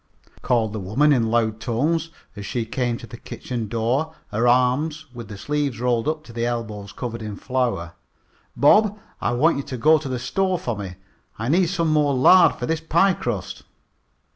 called a woman in loud tones, as she came to the kitchen door, her arms, with the sleeves rolled up to her elbows, covered with flour. "Bob, I want you to go to the store for me. I need some more lard for this pie crust."